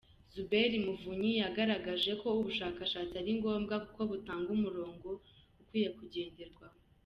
Zuberi Muvunyi, yagaragaje ko ubushakashatsi ari ngombwa kuko butanga umurongo ukwiye kugenderwaho.